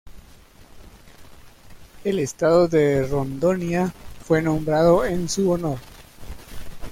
El estado de Rondônia fue nombrado en su honor.